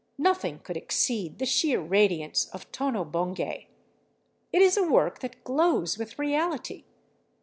Nothing could exceed the sheer radiance of "Tono Bungay." It is a work that glows with reality.